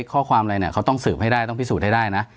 ข้อความอะไรเนี่ยเขาต้องสืบให้ได้ต้องพิสูจน์ให้ได้นะ